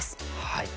はい。